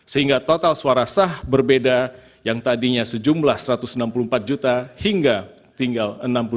sehingga total suara sah berbeda yang tadinya sejumlah satu ratus enam puluh empat juta hingga tinggal enam puluh delapan dua belas tujuh ratus delapan puluh empat